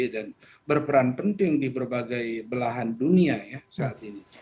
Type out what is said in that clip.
dan berperan penting di berbagai belahan dunia saat ini